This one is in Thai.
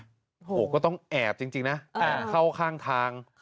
โหก็ต้องแอบจริงนะเข้าข้างทาง